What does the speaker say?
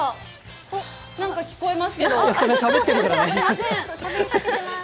何か聞こえますけど。